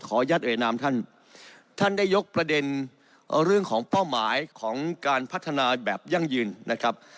อนุญาตเอ่ยนามท่านท่านได้ยกประเด็นเรื่องของเป้าหมายของการพัฒนาแบบยั่งยืนนะครับ